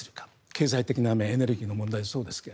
経済的な面、エネルギーの面もそうですが。